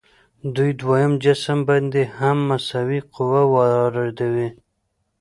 دوی دویم جسم باندې هم مساوي قوه واردوي.